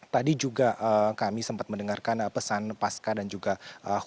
tadi juga kami sempat mendengarkan pesan pasca dan juga